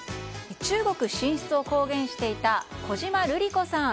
中国進出を公言していた小島瑠璃子さん。